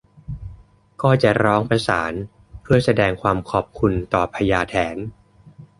ก็จะร้องประสานเพื่อแสดงความขอบคุณต่อพญาแถน